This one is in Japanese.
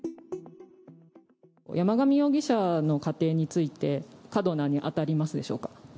山上容疑者の家庭について、過度な、に当たりますでしょうか。